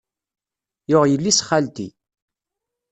Yuɣ yelli-s n xalti.